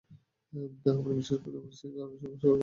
আমি বিশ্বাস করি না, আমার শ্রীনগর সফরের কথা তিনি জানতেন না।